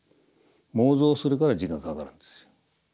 妄想するから時間かかるんですよ。